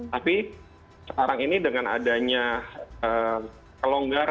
tapi sekarang ini dengan adanya kelonggaran